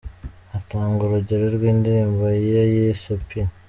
atanga urugero rwindirimbo ye yise P.